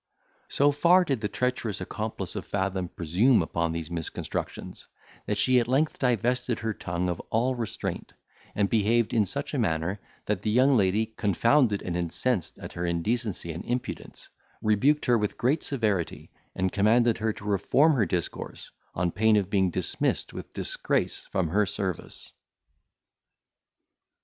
So far did the treacherous accomplice of Fathom presume upon these misconstructions, that she at length divested her tongue of all restraint, and behaved in such a manner, that the young lady, confounded and incensed at her indecency and impudence, rebuked her with great severity, and commanded her to reform her discourse, on pain of being dismissed with disgrace from her service.